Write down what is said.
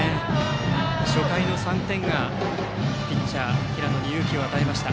初回の３点がピッチャー、平野に勇気を与えました。